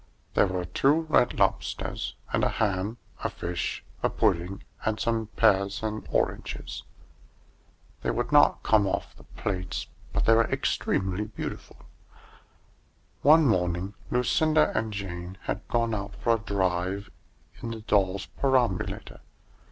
There were two red lobsters and a ham, a fish, a pudding, and some pears and oranges. They would not come off the plates, but they were extremely beautiful. One morning Lucinda and Jane had gone out for a drive in the doll's perambulator.